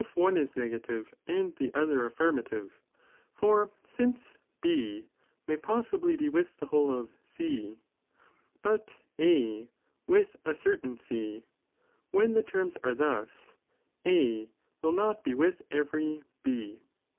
one is negative and the other affirmative, for since B may possibly be with the whole of C, but A wilh a certain C, when the terms are thus, A will not be with every B.